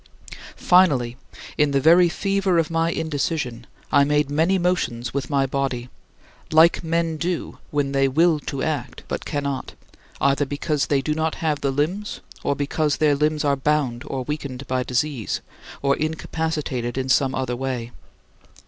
20. Finally, in the very fever of my indecision, I made many motions with my body; like men do when they will to act but cannot, either because they do not have the limbs or because their limbs are bound or weakened by disease, or incapacitated in some other way.